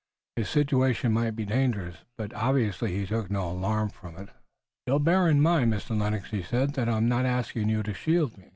His situation might be dangerous, but obviously he took no alarm from it. "You'll bear in mind, Mr. Lennox," he said, "that I'm not asking you to shield me.